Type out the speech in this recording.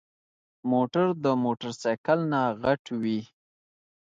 موټر د موټرسايکل نه غټ وي.